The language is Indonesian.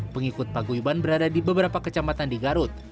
pengikut paguyuban berada di beberapa kecamatan di garut